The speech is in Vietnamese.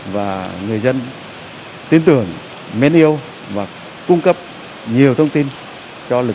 và người dân tin tưởng mến yêu và cung cấp nhiều thông tin cho lực lượng